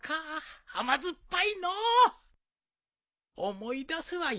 思い出すわい。